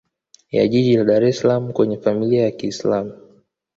ya jiji la Dar es salaam kwenye Familia ya kiislam